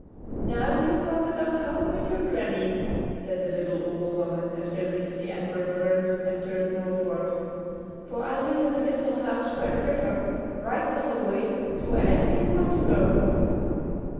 "Now, you come along home with your Granny," said the little old woman as they reached the Antwerp road and turned northward, "for I live in a little house by the river right on the way to wherever you want to go!"